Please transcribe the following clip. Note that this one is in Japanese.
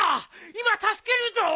今助けるぞ！